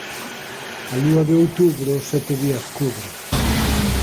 A lúa de outubro sete días cubre